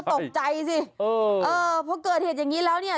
ตกใจสิเออเออพอเกิดเหตุอย่างนี้แล้วเนี่ย